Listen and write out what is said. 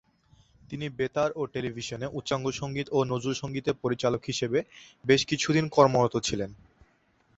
তিনি বেতার ও টেলিভিশনে উচ্চাঙ্গ সঙ্গীত ও নজরুল সঙ্গীতের পরিচালক হিসেবে বেশ কিছুদিন কর্মরত ছিলেন।